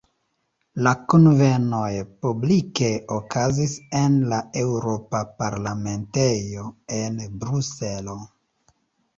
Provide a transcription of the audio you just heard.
La kunvenoj publike okazis en la Eŭropa Parlamentejo en Bruselo.